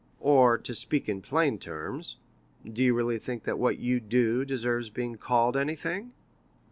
or to speak in plain terms, do you really think that what you do deserves being called anything?"